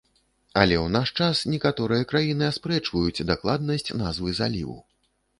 Але ў наш час некаторыя краіны аспрэчваюць дакладнасць назвы заліву.